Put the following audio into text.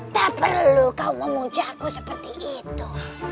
tak perlu kau memuja aku seperti itu